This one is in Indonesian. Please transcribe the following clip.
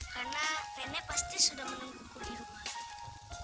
karena nenek pasti sudah menungguku di rumah